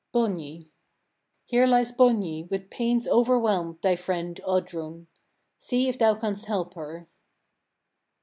Borgny. 5. Here lies Borgny with pains overwhelmed, thy friend, Oddrun! See if thou canst help her.